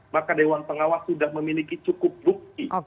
maka dewan pengawas sudah memiliki cukup bukti